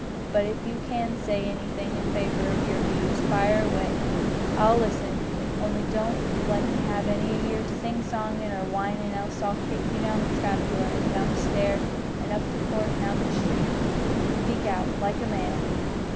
But if you can say anything in favour o' your views, fire away; I'll listen, only don't let me have any o' your sing songin' or whinin', else I'll kick you down the trap door and down the stair an' up the court and out into the street speak out, like a man."